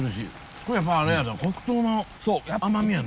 これやっぱあれやで黒糖の甘みやね。